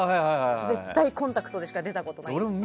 絶対コンタクトでしか出たことないです。